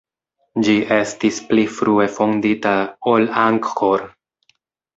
Ĝi estis pli frue fondita ol Angkor.